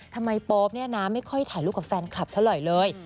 โป๊ปเนี่ยนะไม่ค่อยถ่ายรูปกับแฟนคลับเท่าไหร่เลย